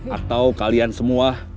atau kalian semua